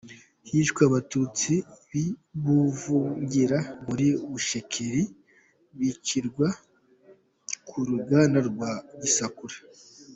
Hishwe Abatutsi b’i Buvungira muri Bushekeri bicirwa ku ruganda rwa Gisakura.